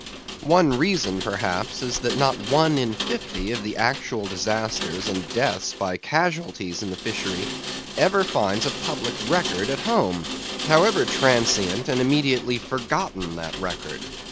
One reason perhaps is, that not one in fifty of the actual disasters and deaths by casualties in the fishery, ever finds a public record at home, however transient and immediately forgotten that record.